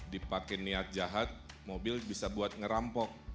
dipakai niat jahat mobil bisa buat ngerampok